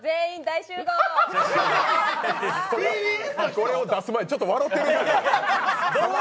これを出す前、ちょっと笑てるやん。